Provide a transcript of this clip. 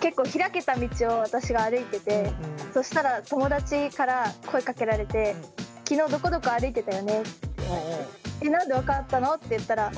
結構開けた道を私が歩いててそしたら友達から声かけられて昨日どこどこ歩いてたよねって言われて何で分かったの？って言ったらえ？